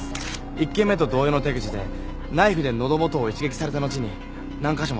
１件目と同様の手口でナイフでのど元を一撃された後に何カ所も刺されていました。